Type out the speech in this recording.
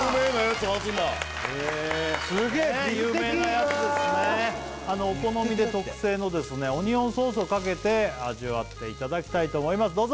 有名なやつですねお好みで特製のオニオンソースをかけて味わっていただきたいと思います